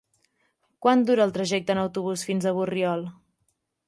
Quant dura el trajecte en autobús fins a Borriol?